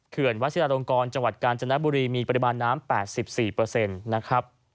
เขื่อนวัฒนาโรงกรจังหวัดกาลจนบุรีมีปริมาณน้ำ๘๔เปอร์เซ็นต์นะครับ